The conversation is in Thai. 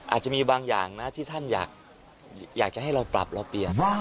อาจจะมีบางอย่างนะที่ท่านอยากจะให้เราปรับเราเปลี่ยน